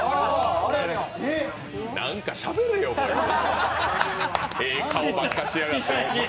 何かしゃべれよ、ええ顔ばっかしやがって。